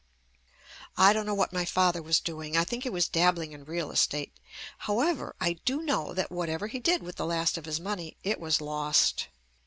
I don't know what my father was doing — I think he was dabbling in real estate. How ever, I do know that whatever he did with the last of his money, it was lost.